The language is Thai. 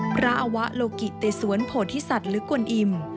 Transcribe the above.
พระอวลกิเตศวรโผทิสัตว์หรือกวนอิ่ม